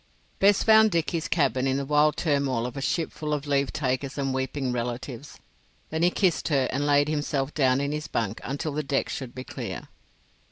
Bess found Dick his cabin in the wild turmoil of a ship full of leavetakers and weeping relatives. Then he kissed her, and laid himself down in his bunk until the decks should be clear.